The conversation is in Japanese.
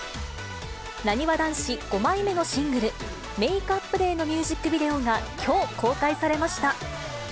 なにわ男子５枚目のシングル、ＭａｋｅＵｐＤａｙのミュージックビデオが、きょう、公開されました。